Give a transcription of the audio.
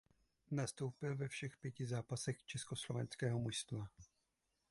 Nastoupil ve všech pěti zápasech československého mužstva.